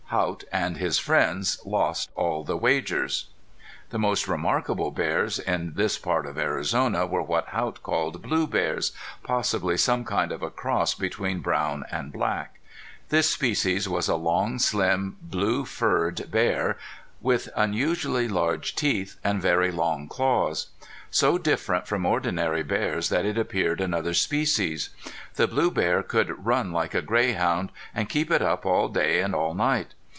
Haught and his friends lost all the wagers. The most remarkable bears in this part of Arizona were what Haught called blue bears, possibly some kind of a cross between brown and black. This species was a long, slim, blue furred bear with unusually large teeth and very long claws. So different from ordinary bears that it appeared another species. The blue bear could run like a greyhound, and keep it up all day and all night.